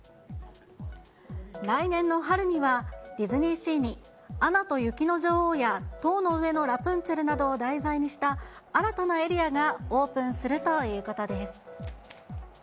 来年の春には、ディズニーシーに、アナと雪の女王や塔の上のラプンツェルなどを題材にした新たなエリアがオープンするということです。